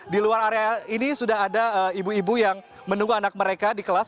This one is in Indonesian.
di luar area ini sudah ada ibu ibu yang menunggu anak mereka di kelas